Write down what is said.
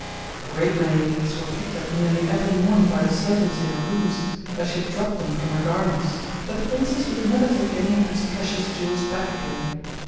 A great many of these were picked up nearly every morning by the servants in her rooms, where she had dropped them from her garments, but the Princess would never take any of these precious jewels back again.